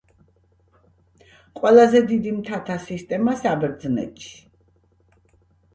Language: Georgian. ყველაზე დიდი მთათა სისტემა საბერძნეთში.